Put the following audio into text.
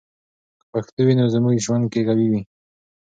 که پښتو وي، نو زموږ ژوند کې قوی وي.